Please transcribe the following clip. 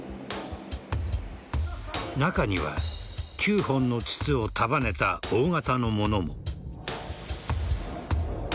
中には９本の筒を束ねた大型のものも。